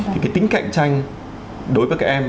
thì cái tính cạnh tranh đối với các em